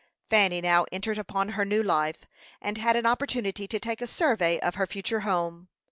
Fanny now entered upon her new life, and had an opportunity to take a survey of her future home.